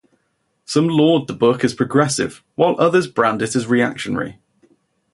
Some laud the book as progressive while others brand it as reactionary.